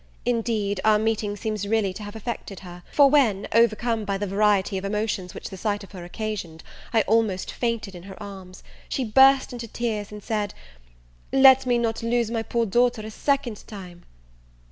Indeed, our meeting seems really to have affected her; for when, overcome by the variety of emotions which the sight of her occasioned, I almost fainted in her arms, she burst into tears, and said, "let me not lose my poor daughter a second time!"